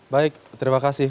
baik terima kasih